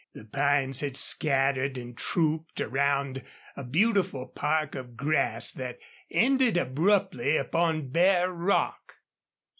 The pines had scattered and trooped around a beautiful park of grass that ended abruptly upon bare rock.